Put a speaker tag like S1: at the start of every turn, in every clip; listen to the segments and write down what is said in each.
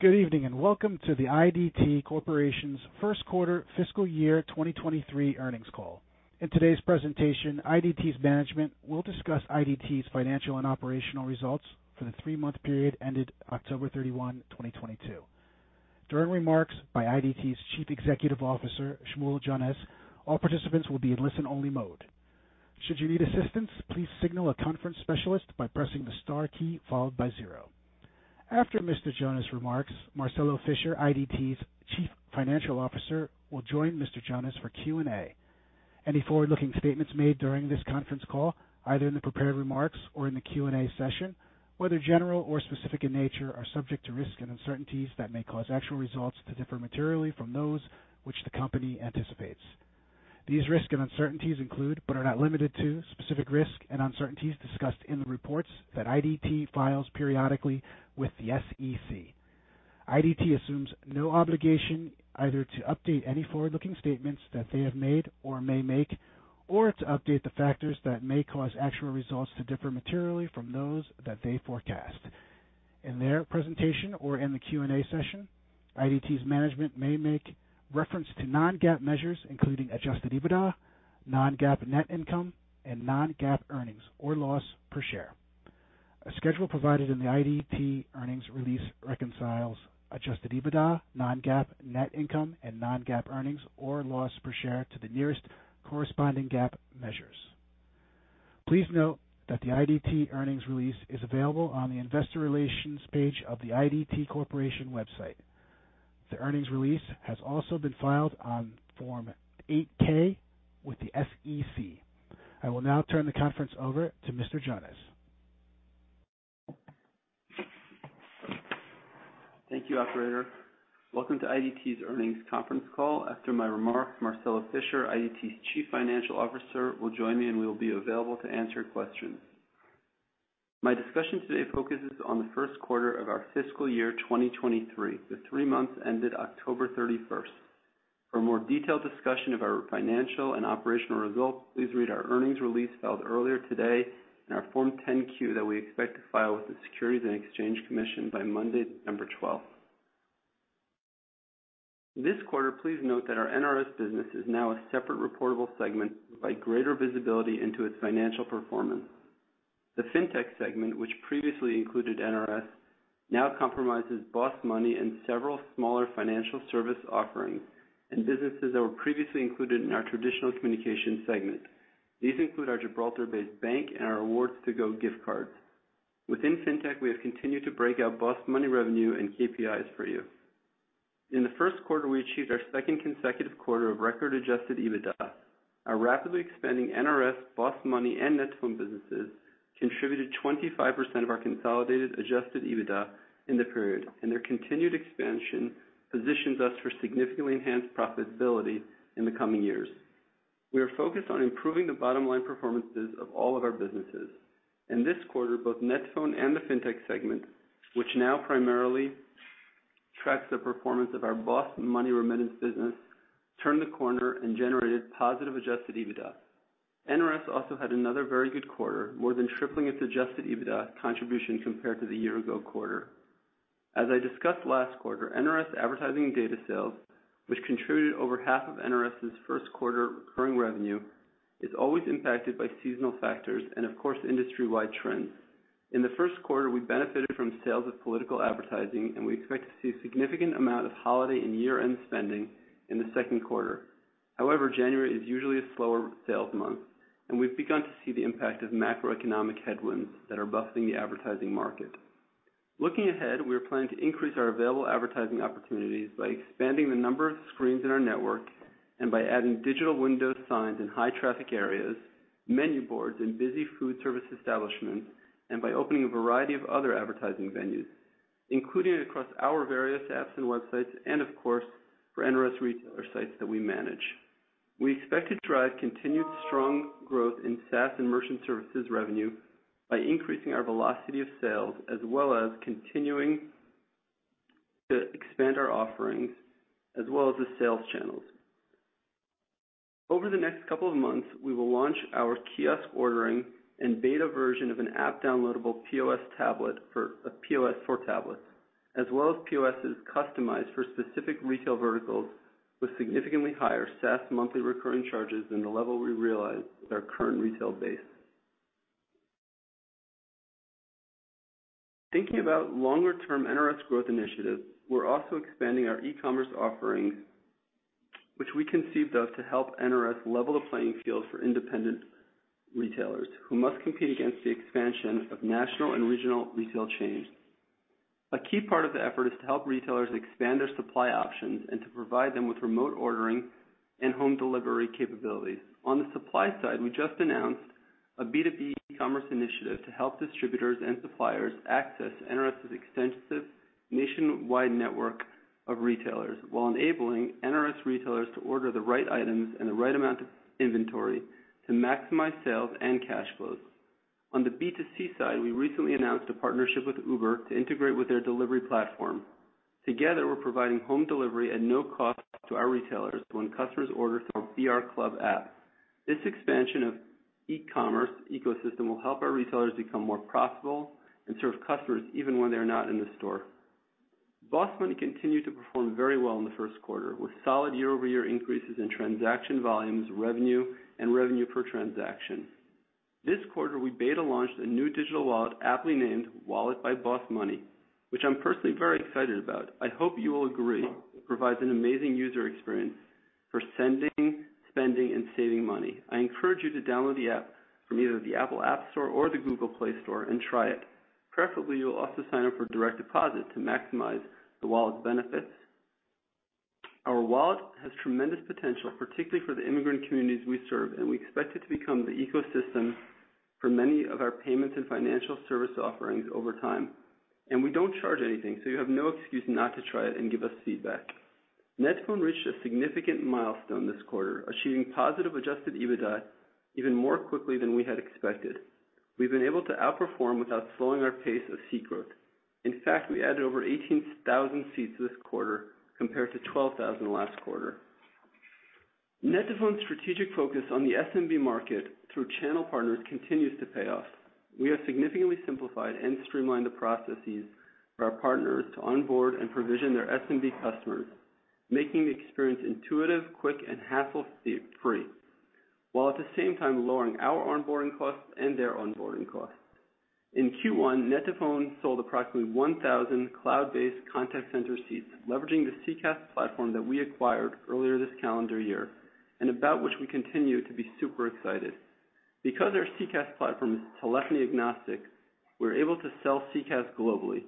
S1: Good evening, and welcome to the IDT Corporation's first quarter fiscal year 2023 earnings call. In today's presentation, IDT's management will discuss IDT's financial and operational results for the three month period ended October 31, 2022. During remarks by IDT's Chief Executive Officer, Shmuel Jonas, all participants will be in listen-only mode. Should you need assistance, please signal a conference specialist by pressing the star key followed by zero. After Mr. Jonas' remarks, Marcelo Fischer, IDT's Chief Financial Officer, will join Mr. Jonas for Q&A. Any forward-looking statements made during this conference call, either in the prepared remarks or in the Q&A session, whether general or specific in nature, are subject to risks and uncertainties that may cause actual results to differ materially from those which the company anticipates. These risks and uncertainties include, but are not limited to, specific risks and uncertainties discussed in the reports that IDT files periodically with the SEC. IDT assumes no obligation either to update any forward-looking statements that they have made or may make, or to update the factors that may cause actual results to differ materially from those that they forecast. In their presentation or in the Q&A session, IDT's management may make reference to non-GAAP measures, including Adjusted EBITDA, non-GAAP net income, and non-GAAP earnings or loss per share. A schedule provided in the IDT earnings release reconciles Adjusted EBITDA, non-GAAP net income, and non-GAAP earnings or loss per share to the nearest corresponding GAAP measures. Please note that the IDT earnings release is available on the investor relations page of the IDT Corporation website. The earnings release has also been filed on Form 8-K with the SEC. I will now turn the conference over to Mr. Jonas.
S2: Thank you, operator. Welcome to IDT's earnings conference call. After my remarks, Marcelo Fischer, IDT's Chief Financial Officer, will join me, and we'll be available to answer questions. My discussion today focuses on the first quarter of our fiscal year 2023, the three months ended October 31st. For a more detailed discussion of our financial and operational results, please read our earnings release filed earlier today and our Form 10-Q that we expect to file with the Securities and Exchange Commission by Monday, December 12th. This quarter, please note that our NRS business is now a separate reportable segment, by greater visibility into its financial performance. The Fintech segment, which previously included NRS, now compromises BOSS Money and several smaller financial service offerings, and businesses that were previously included in our traditional communication segment. These include our Gibraltar-based bank and our Awards2Go gift cards. Within Fintech, we have continued to break out BOSS Money revenue and KPIs for you. In the first quarter, we achieved our second consecutive quarter of record-Adjusted EBITDA. Our rapidly expanding NRS, BOSS Money, and net2phone businesses contributed 25% of our consolidated Adjusted EBITDA in the period. Their continued expansion positions us for significantly enhanced profitability in the coming years. We are focused on improving the bottom line performances of all of our businesses. In this quarter, both net2phone and the Fintech segment, which now primarily tracks the performance of our BOSS Money remittance business, turned the corner and generated positive Adjusted EBITDA. NRS also had another very good quarter, more than tripling its Adjusted EBITDA contribution compared to the year ago quarter. As I discussed last quarter, NRS advertising data sales, which contributed over half of NRS' first quarter recurring revenue, is always impacted by seasonal factors and of course, industry-wide trends. In the first quarter, we benefited from sales of political advertising, and we expect to see a significant amount of holiday and year-end spending in the second quarter. However, January is usually a slower sales month, and we've begun to see the impact of macroeconomic headwinds that are buffeting the advertising market. Looking ahead, we are planning to increase our available advertising opportunities by expanding the number of screens in our network, and by adding digital window signs in high traffic areas, menu boards in busy food service establishments, and by opening a variety of other advertising venues, including across our various apps and websites and of course, for NRS retailer sites that we manage. We expect to drive continued strong growth in SaaS and merchant services revenue, by increasing our velocity of sales, as well as continuing to expand our offerings as well as the sales channels. Over the next couple of months, we will launch our kiosk ordering, and beta version of an app-downloadable POS tablet for POS for tablets, as well as POSs customized for specific retail verticals with significantly higher SaaS monthly recurring charges than the level we realize with our current retail base. Thinking about longer-term NRS growth initiatives, we're also expanding our e-commerce offerings, which we conceived of to help NRS level the playing field for independent retailers who must compete against the expansion of national and regional retail chains. A key part of the effort is to help retailers expand their supply options, and to provide them with remote ordering and home delivery capabilities. On the supply side, we just announced a B2B e-commerce initiative to help distributors and suppliers access NRS' extensive nationwide network of retailers while enabling NRS retailers to order the right items and the right amount of inventory to maximize sales and cash flows. On the B2C side we recently announced the partnership with Uber to integrate with their delivery platform. Together, we're providing home delivery at no cost to our retailers when customers order through our BR Club app. This expansion of e-commerce ecosystem will help our retailers become more profitable, and serve customers even when they're not in the store. BOSS Money continued to perform very well in the first quarter, with solid year-over-year increases in transaction volumes, revenue, and revenue per transaction. This quarter, we beta launched a new digital wallet, aptly named Wallet by BOSS Money, which I'm personally very excited about. I hope you will agree, it provides an amazing user experience for sending, spending, and saving money. I encourage you to download the app from either the Apple App Store or the Google Play Store and try it. Preferably, you'll also sign up for direct deposit to maximize the wallet's benefits. Our wallet has tremendous potential, particularly for the immigrant communities we serve, and we expect it to become the ecosystem, for many of our payments and financial service offerings over time. We don't charge anything, so you have no excuse not to try it and give us feedback. net2phone reached a significant milestone this quarter, achieving positive Adjusted EBITDA even more quickly than we had expected. We've been able to outperform without slowing our pace of seat growth. In fact, we added over 18,000 seats this quarter compared to 12,000 last quarter. Net2phone's strategic focus on the SMB market through channel partners continues to pay off. We have significantly simplified and streamlined the processes for our partners to onboard and provision their SMB customers, making the experience intuitive, quick, and hassle-free, while at the same time lowering our onboarding costs and their onboarding costs. In Q1, net2phone sold approximately 1,000 cloud-based contact center seats, leveraging the CCaaS platform that we acquired earlier this calendar year, and about which we continue to be super excited. Because our CCaaS platform is telephony-agnostic, we're able to sell CCaaS globally.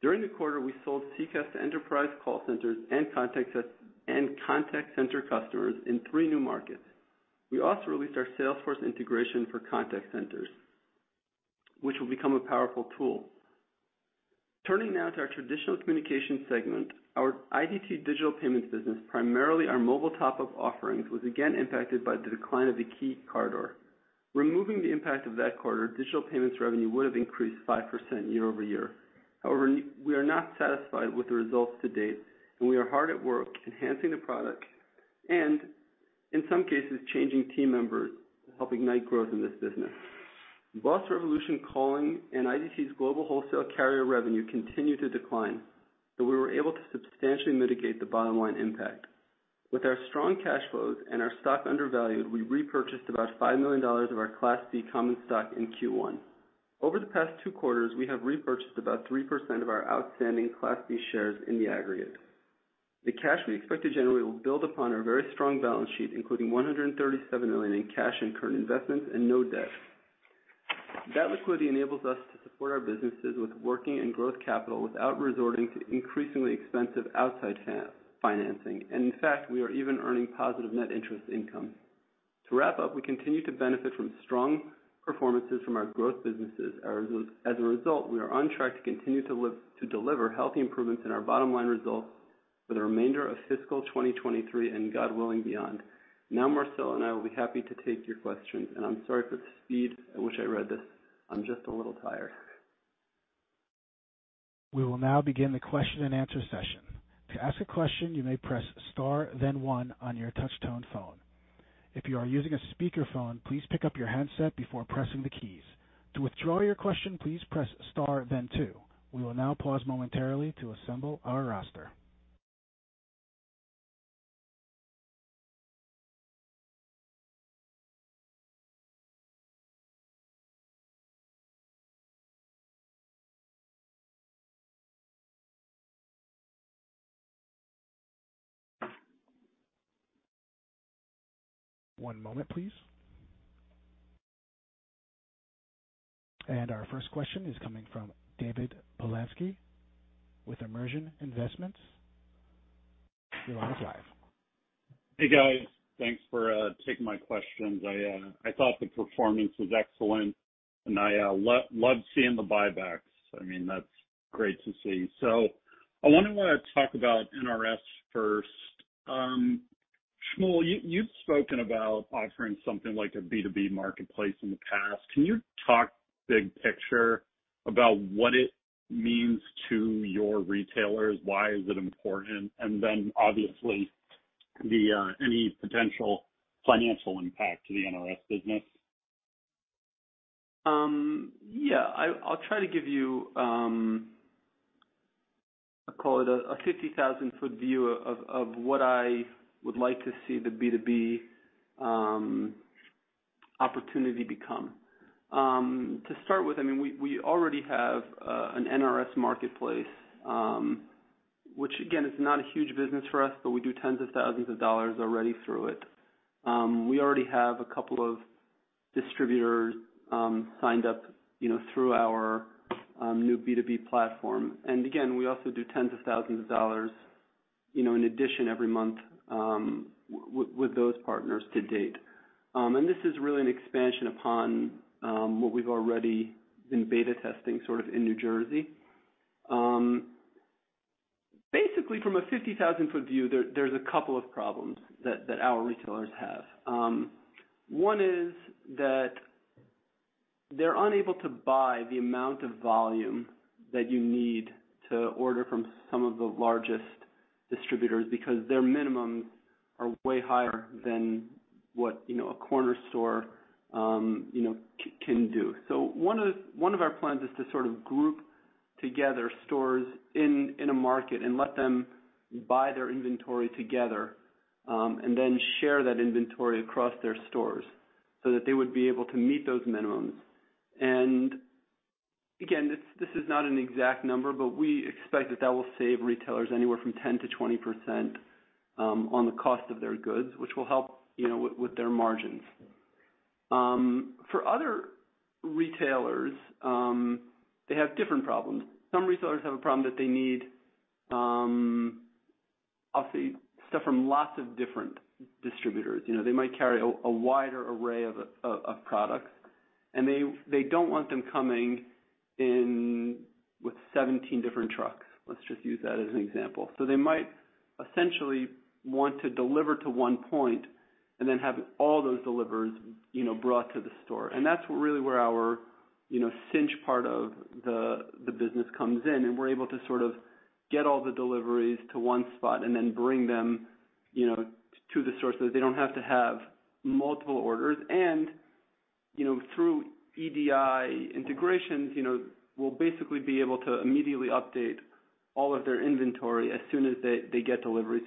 S2: During the quarter, we sold CCaaS to enterprise call centers and contact center customers in three new markets. We also released our Salesforce integration for contact centers, which will become a powerful tool. Turning now to our traditional communications segment. Our IDT Digital Payments business, primarily our mobile top-up offerings, was again impacted by the decline of a key corridor. Removing the impact of that corridor, Digital Payments revenue would have increased 5% year-over-year. We are not satisfied with the results to date, and we are hard at work enhancing the product and, in some cases, changing team members to help ignite growth in this business. Boss Revolution Calling and IDT's global wholesale carrier revenue continued to decline, but we were able to substantially mitigate the bottom-line impact. With our strong cash flows and our stock undervalued, we repurchased about $5 million of our Class C common stock in Q1. Over the past two quarters, we have repurchased about 3% of our outstanding Class B shares in the aggregate. The cash we expect to generate will build upon our very strong balance sheet, including $137 million in cash and current investments and no debt. That liquidity enables us to support our businesses with working and growth capital without resorting to increasingly expensive outside financing. In fact, we are even earning positive net interest income. To wrap up, we continue to benefit from strong performances from our growth businesses. As a result, we are on track to continue to deliver healthy improvements in our bottom line results for the remainder of fiscal 2023 and, God willing, beyond. Marcelo and I will be happy to take your questions. I'm sorry for the speed at which I read this. I'm just a little tired.
S1: We will now begin the question-and-answer session. To ask a question, you may press star then one on your touch tone phone. If you are using a speakerphone, please pick up your handset before pressing the keys. To withdraw your question, please press star then two. We will now pause momentarily to assemble our roster. One moment, please. Our first question is coming from David Polansky with Immersion Investments. You're on live.
S3: Hey, guys. Thanks for taking my questions. I thought the performance was excellent, and I love seeing the buybacks. I mean, that's great to see. I wanna talk about NRS first. Shmuel, you've spoken about offering something like a B2B marketplace in the past. Can you talk big picture about what it means to your retailers? Why is it important? obviously the any potential financial impact to the NRS business?
S2: Yeah. I'll try to give you, I call it a 50,000-foot view of what I would like to see the B2B, opportunity become. To start with, I mean, we already have an NRS marketplace, which again, is not a huge business for us, but we do tens of thousands of dollars already through it. We already have a couple of distributors, you know, signed up through our new B2B platform. Again, we also do tens of thousands of dollars, you know, in addition every month with those partners to date. This is really an expansion upon what we've already been beta testing sort of in New Jersey. Basically, from a 50,000-foot view, there's a couple of problems that our retailers have. One is that, they're unable to buy the amount of volume that you need to order from some of the largest distributors, because their minimums are way higher than what, you know, a corner store, you know, can do. One of our plans is to sort of group together stores in a market, and let them buy their inventory together, share that inventory across their stores so that they would be able to meet those minimums. Again, this is not an exact number, but we expect that that will save retailers anywhere from 10%-20% on the cost of their goods, which will help, you know, with their margins. For other retailers, they have different problems. Some retailers have a problem that they need, I'll say, stuff from lots of different distributors. You know, they might carry a wider array of, of products, and they don't want them coming in with 17 different trucks. Let's just use that as an example. They might essentially want to deliver to one point, and then have all those deliveries, you know, brought to the store. That's really where our, you know, Cinch part of the business comes in, and we're able to sort of get all the deliveries to one spot and then bring them, you know, to the sources. They don't have to have multiple orders. You know, through EDI integrations, you know, we'll basically be able to immediately update all of their inventory as soon as they get delivery.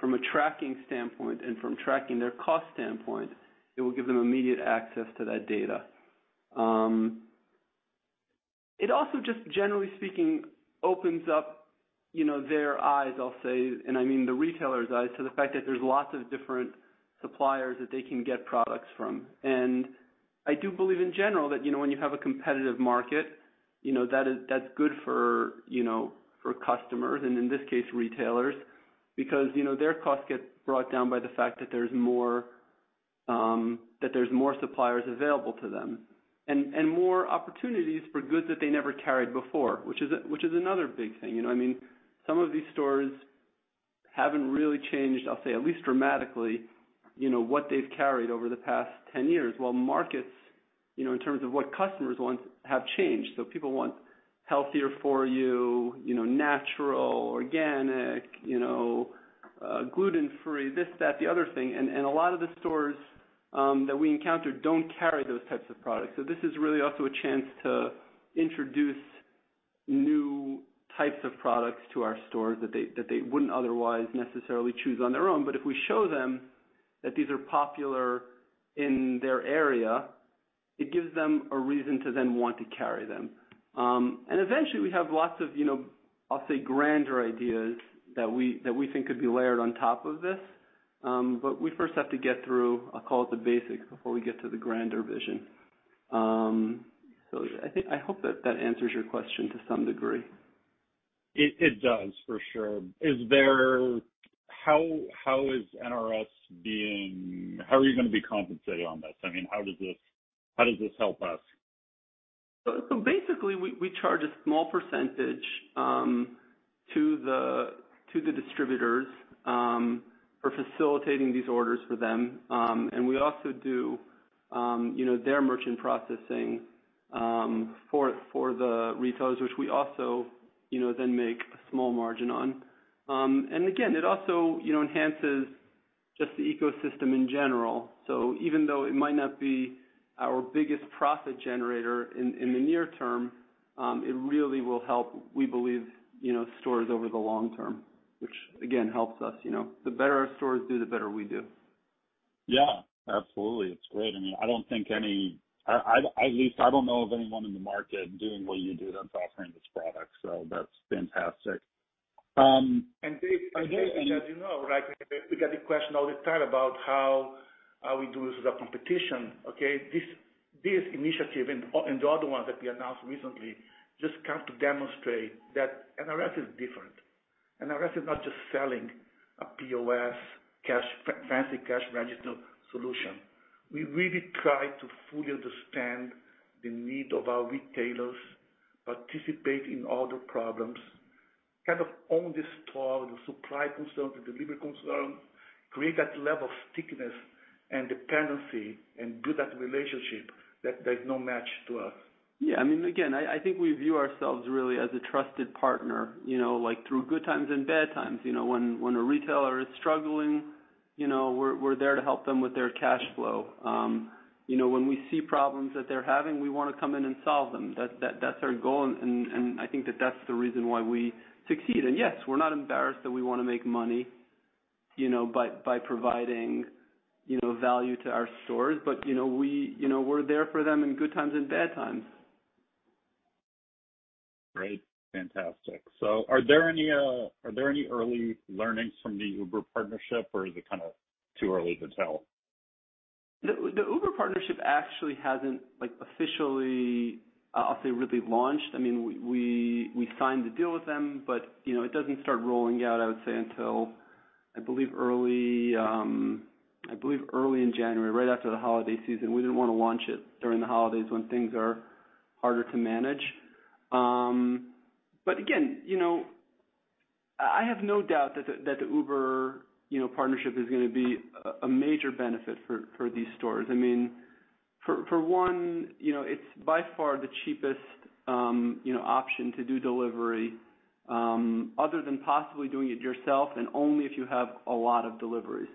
S2: From a tracking standpoint and from tracking their cost standpoint, it will give them immediate access to that data. It also just, generally speaking, opens up, you know, their eyes, I'll say, and I mean the retailers' eyes, to the fact that there's lots of different suppliers that they can get products from. I do believe in general that, you know, when you have a competitive market, you know, that's good for, you know, for customers and, in this case, retailers because, you know, their costs get brought down by the fact that there's more, that there's more suppliers available to them, and more opportunities for goods that they never carried before, which is another big thing. You know, I mean, some of these stores haven't really changed, I'll say, at least dramatically, you know, what they've carried over the past 10 years, while markets, you know, in terms of what customers want, have changed. People want healthier for you know, natural, organic, you know, gluten-free, this, that, the other thing, and a lot of the stores that we encounter don't carry those types of products. This is really also a chance to introduce new types of products to our stores that they wouldn't otherwise necessarily choose on their own. If we show them that these are popular in their area, it gives them a reason to then want to carry them. Eventually, we have lots of, you know, I'll say, grander ideas that we think could be layered on top of this. We first have to get through, I'll call it the basics before we get to the grander vision. I think I hope that answers your question to some degree.
S3: It does, for sure. How are you gonna be compensated on this? I mean, how does this help us?
S2: Basically we charge a small percentage, to the distributors for facilitating these orders for them. We also do, you know, their merchant processing for the retailers, which we also, you know, then make a small margin on. Again, it also, you know, enhances just the ecosystem in general. Even though it might not be our biggest profit generator in the near term, it really will help, we believe, you know, stores over the long term, which again, helps us, you know. The better our stores do, the better we do.
S3: Yeah, absolutely. It's great. I mean, I don't think I, at least I don't know of anyone in the market doing what you do that's offering this product, so that's fantastic.
S4: Dave, as you know, right, we get the question all the time about how we do this as our competition, okay? This initiative and the other ones that we announced recently just come to demonstrate that NRS is different. NRS is not just selling a POS fancy cash register solution. We really try to fully understand the need of our retailers, participate in all the problems, kind of own the store, the supply concern, the delivery concern, create that level of stickiness and dependency and build that relationship that there's no match to us.
S2: Yeah. I mean, again, I think we view ourselves really as a trusted partner, you know. Like, through good times and bad times, you know, when a retailer is struggling, you know, we're there to help them with their cash flow. You know, when we see problems that they're having, we wanna come in and solve them. That's our goal, and I think that that's the reason why we succeed. Yes, we're not embarrassed that we wanna make money, you know, by providing, you know, value to our stores. You know, we're there for them in good times and bad times.
S3: Great. Fantastic. Are there any early learnings from the Uber partnership, or is it kind of too early to tell?
S2: The Uber partnership actually hasn't, like, officially, I'll say, really launched. I mean, we signed the deal with them, you know, it doesn't start rolling out, I would say, until, I believe early, I believe early in January, right after the holiday season. We didn't wanna launch it during the holidays when things are harder to manage. But again, you know, I have no doubt that the Uber, you know, partnership is gonna be a major benefit for these stores. I mean, for one, you know, it's by far the cheapest, you know, option to do delivery, other than possibly doing it yourself and only if you have a lot of deliveries.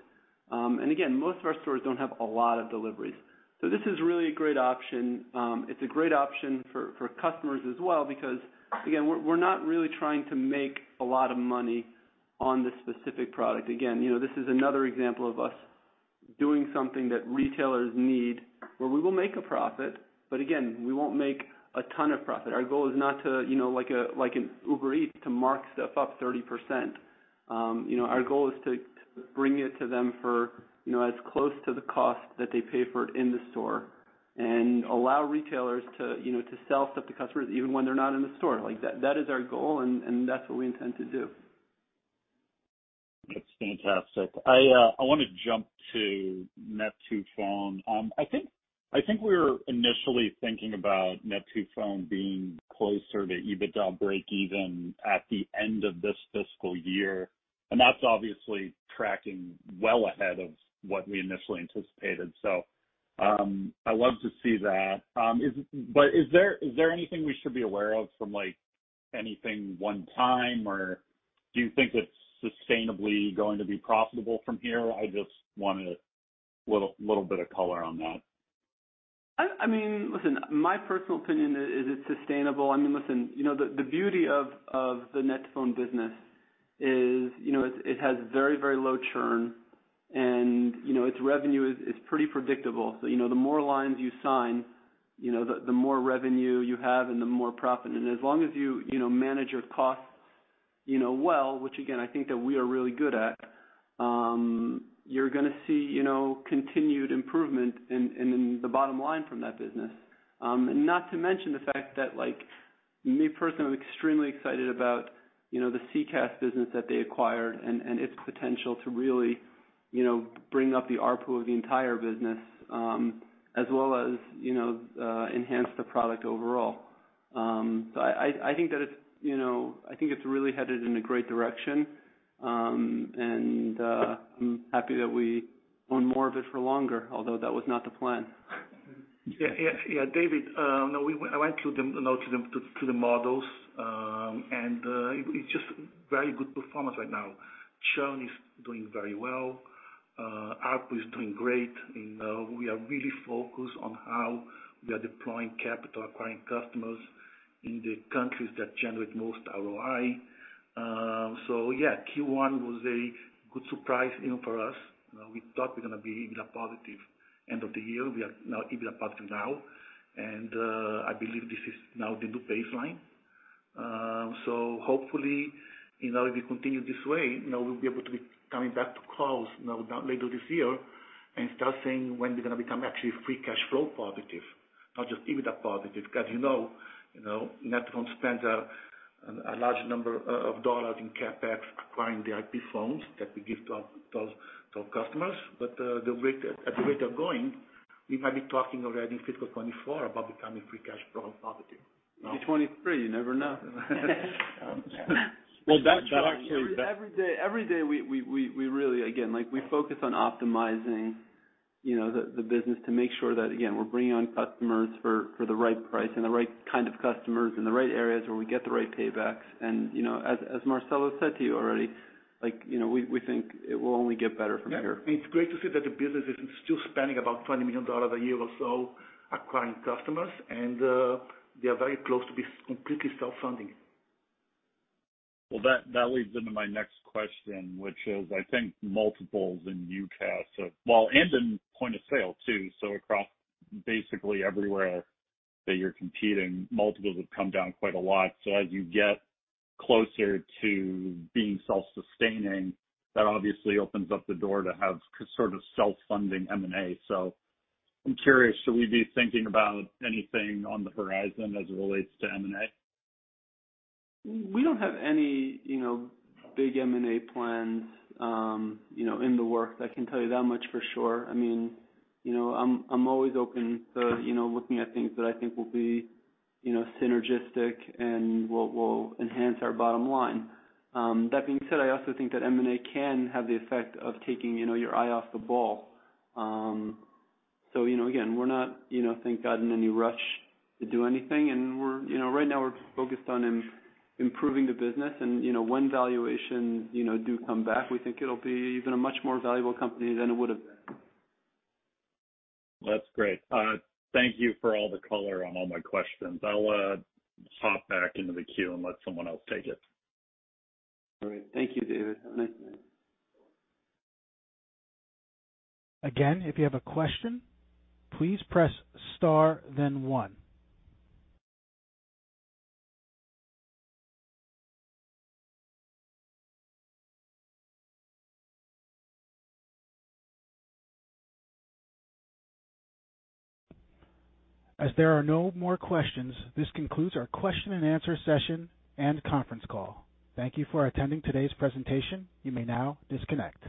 S2: Again, most of our stores don't have a lot of deliveries. This is really a great option. It's a great option for customers as well because, again, we're not really trying to make a lot of money on this specific product. Again, you know, this is another example of us doing something that retailers need, where we will make a profit, but again, we won't make a ton of profit. Our goal is not to, you know, like a, like an Uber Eats, to mark stuff up 30%. You know, our goal is to bring it to them for, you know, as close to the cost that they pay for it in the store and allow retailers to, you know, to sell stuff to customers even when they're not in the store. Like, that is our goal and that's what we intend to do.
S3: That's fantastic. I wanna jump to net2phone. I think we were initially thinking about net2phone being closer to EBITDA breakeven at the end of this fiscal year, and that's obviously tracking well ahead of what we initially anticipated. I love to see that. Is there anything we should be aware of from, like, anything one time, or do you think it's sustainably going to be profitable from here? I just wanted a little bit of color on that.
S2: I mean, listen, my personal opinion is it's sustainable. I mean, listen, you know, the beauty of the net2phone business is, you know, it has very, very low churn and, you know, its revenue is pretty predictable. You know, the more lines you sign, you know, the more revenue you have and the more profit. As long as you know, manage your costs, you know, well, which again, I think that we are really good at, you're gonna see, you know, continued improvement in the bottom line from that business. Not to mention the fact that, like, me personally, I'm extremely excited about, you know, the CCaaS business that they acquired and its potential to really, you know, bring up the ARPU of the entire business, as well as, you know, enhance the product overall. I think that it's, you know. I think it's really headed in a great direction, and I'm happy that we own more of it for longer, although that was not the plan.
S4: Yeah. Yeah. Yeah, David. No, I went through the models. It's just very good performance right now. Churn is doing very well. ARPU is doing great. We are really focused on how we are deploying capital, acquiring customers in the countries that generate most ROI. Yeah, Q1 was a good surprise for us. We thought we're gonna be EBITDA positive end of the year. We are now EBITDA positive now. I believe this is now the new baseline. Hopefully, if we continue this way, we'll be able to be coming back to calls later this year and start saying when they're gonna become actually free cash flow positive, not just EBITDA positive. 'Cause, you know, net2phone spends a large number of dollars in CapEx acquiring the IP phones that we give to our customers. At the rate they're going, we might be talking already in fiscal 24 about becoming free cash flow positive.
S2: 23, you never know. Well, that actually, every day, we really, again, like, we focus on optimizing, you know, the business to make sure that, again, we're bringing on customers for the right price and the right kind of customers in the right areas where we get the right paybacks. You know, as Marcelo Fischer said to you already, like, you know, we think it will only get better from here.
S4: Yeah. It's great to see that the business is still spending about $20 million a year or so acquiring customers and they are very close to be completely self-funding.
S3: That leads into my next question, which is, I think, multiples in UCaaS, and in point of sale too. Across basically everywhere that you're competing, multiples have come down quite a lot. As you get closer to being self-sustaining, that obviously opens up the door to have sort of self-funding M&A. I'm curious, should we be thinking about anything on the horizon as it relates to M&A?
S2: We don't have any, you know, big M&A plans, you know, in the works. I can tell you that much for sure. I mean, you know, I'm always open to, you know, looking at things that I think will be, you know, synergistic and will enhance our bottom line. That being said, I also think that M&A can have the effect of taking, you know, your eye off the ball. You know, again, we're not, you know, thank God, in any rush to do anything. We're, you know, right now we're focused on improving the business. When valuations, you know, do come back, we think it'll be even a much more valuable company than it would've been.
S3: That's great. Thank you for all the color on all my questions. I'll hop back into the queue and let someone else take it.
S2: All right. Thank you, David. Have a nice night.
S1: Again, if you have a question, please press star then one. As there are no more questions, this concludes our question and answer session and conference call. Thank you for attending today's presentation. You may now disconnect.